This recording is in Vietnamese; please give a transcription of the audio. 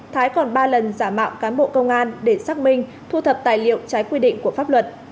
thái còn ba lần giả mạo cán bộ công an để xác minh thu thập tài liệu trái quy định của pháp luật